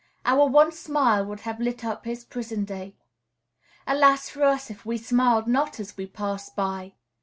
Our one smile would have lit up his prison day. Alas for us if we smiled not as we passed by!